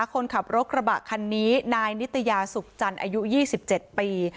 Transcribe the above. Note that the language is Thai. คนขับโรคระบะคันนี้นายนิตยาสุขจันทร์อายุยี่สิบเจ็ดปี